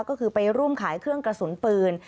ก็คือไปร่วมขายเครื่องกระสุนปืน